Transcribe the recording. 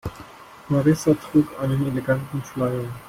Marissa trug einen eleganten Schleier.